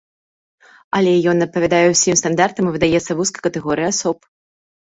Але ён адпавядае ўсім стандартам і выдаецца вузкай катэгорыі асоб.